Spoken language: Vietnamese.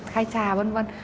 khai trà vân vân